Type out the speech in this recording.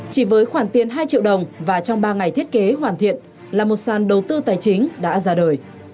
chỉ với khoản tiền hai triệu đồng và trong ba ngày thiết kế hoàn thiện là một sàn đầu tư tài chính đã ra đời